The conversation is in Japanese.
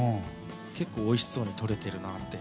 結構おいしそうに撮れてるなって。